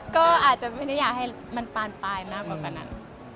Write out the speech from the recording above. ก็อาจจะไม่ได้อยากให้มันปานปลายมากกว่านั้น